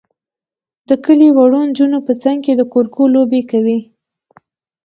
د کلي وړو نجونو به څنګ کې د کورکو لوبې کولې.